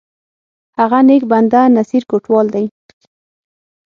هغه نیک بنده، نصیر کوټوال دی!